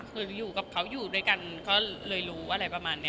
คืออยู่กับเขาอยู่ด้วยกันก็เลยรู้อะไรประมาณนี้